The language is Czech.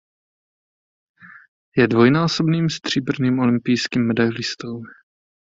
Je dvojnásobným stříbrným olympijským medailistou.